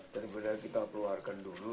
daripada kita keluarkan dulu